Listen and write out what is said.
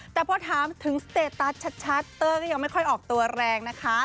แต่พอถามถึงสเตตัสชัดเตอร์ก็ยังไม่ค่อยออกตัวแรงนะคะ